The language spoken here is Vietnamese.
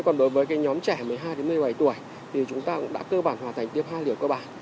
còn đối với nhóm trẻ một mươi hai một mươi bảy tuổi thì chúng ta cũng đã cơ bản hoàn thành tiêm hai liều cơ bản